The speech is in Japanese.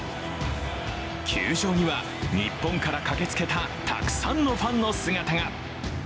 球場には日本から駆けつけたたくさんのファンの姿が。